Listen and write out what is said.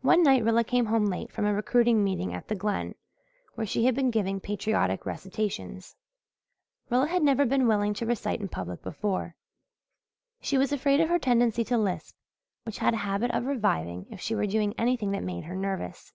One night Rilla came home late from a recruiting meeting at the Glen where she had been giving patriotic recitations. Rilla had never been willing to recite in public before. She was afraid of her tendency to lisp, which had a habit of reviving if she were doing anything that made her nervous.